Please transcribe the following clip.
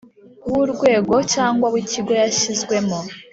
W urwego cyangwa w ikigo yashyizwemo